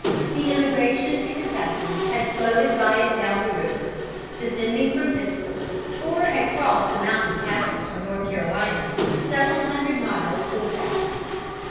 The emigration to Kentucky had floated by it down the river, descending from Pittsburg, or had crossed the mountain passes from North Carolina, several hundred miles to the south.